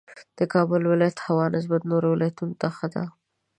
د کابل ولایت هوا نسبت نورو ولایتونو ته ښه ده